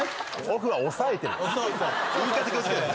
オフは抑えてる。